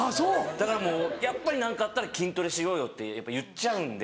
だからもうやっぱり何かあったら「筋トレしろよ」ってやっぱ言っちゃうんで。